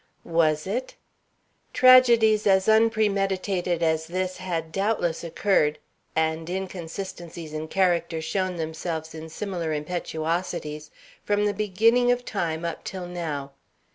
Was it? Tragedies as unpremeditated as this had doubtless occurred, and inconsistencies in character shown themselves in similar impetuosities, from the beginning of time up till now.